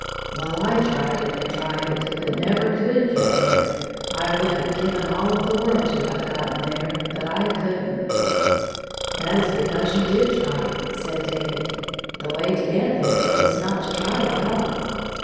"Well, I tried it and tried it, but never could get there. I would have given all of the world to have gotten there, but I could n't." "That is because you did try," said David. "The way to get there is not to try at all."